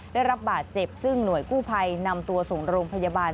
ได้รับบาดเจ็บซึ่งหน่วยกู้ภัยนำตัวส่งโรงพยาบาล